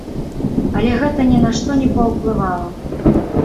Але гэта ні на што не паўплывала.